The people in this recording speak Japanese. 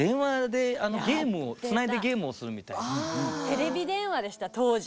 テレビ電話でした当時。